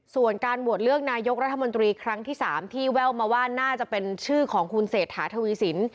ส่วนการโหวตเลือกนายกรัฐมนตรีครั้งที่๓ที่แว่วมาว่าน่าจะเป็นชื่อของคุณเศรษฐาทวีสิน